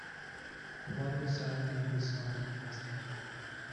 The modern settlement is north of West Haddon.